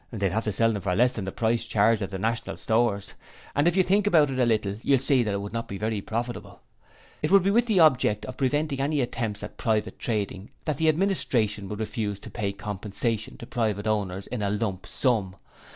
'They'd have to sell them for less than the price charged at the National Stores, and if you think about it a little you'll see that it would not be very profitable. It would be with the object of preventing any attempts at private trading that the Administration would refuse to pay compensation to private owners in a lump sum.